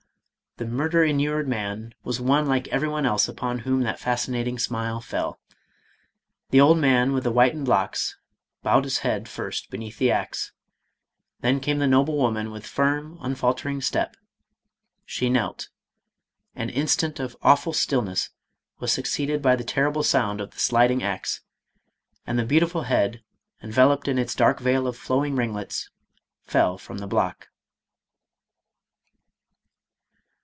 The murder inured man was won like every one else upon Avhom that fascinating smile fell. The old man with the whitened locks, bowed his head first beneath^ the axe — then came the noble woman with firm, unfal tering step — she knelt — an instant of awful stillness was succeeded by the terrible sound of the sliding axe, and the beautiful head, enveloped in its dark veil of flowing ringlets, fell from the block.